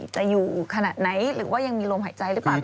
จะอยู่ขนาดไหนหรือว่ายังมีลมหายใจหรือเปล่า